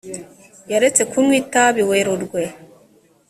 yaretse kunywa itabi werurwe